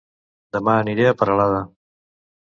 Dema aniré a Peralada